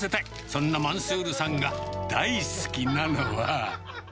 そんなマンスールさんが大好きなのは。